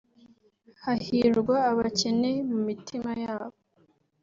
“hahirwa abakene mu mitima yabo